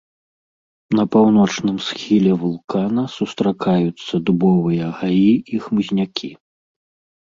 На паўночным схіле вулкана сустракаюцца дубовыя гаі і хмызнякі.